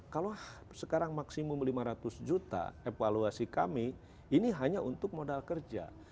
kalau sekarang maksimum lima ratus juta evaluasi kami ini hanya untuk modal kerja